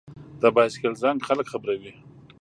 د بایسکل زنګ خلک خبروي.